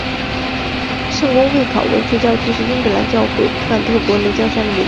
圣公会考文垂教区是英格兰教会坎特伯雷教省下面的一个教区。